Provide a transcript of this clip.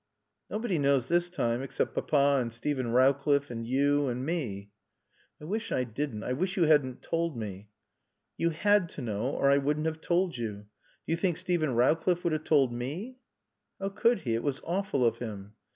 "Nobody knows this time, except Papa and Steven Rowcliffe and you and me." "I wish I didn't. I wish you hadn't told me." "You had to know or I wouldn't have told you. Do you think Steven Rowcliffe would have told _me _" "How could he? It was awful of him."